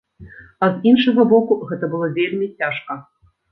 А з іншага боку, гэта было вельмі цяжка.